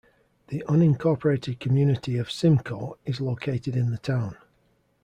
The unincorporated community of Symco is located in the town.